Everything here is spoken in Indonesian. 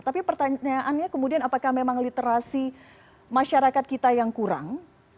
tapi pertanyaannya kemudian apakah memang literasi masyarakat kita yang kurang